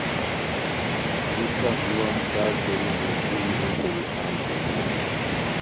ہمی سف لُووان کارکوری میرژوری بو پریشان ہوئے